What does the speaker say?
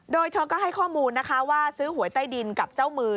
โดยเธอก็ให้ข้อมูลนะคะว่าซื้อหวยใต้ดินกับเจ้ามือ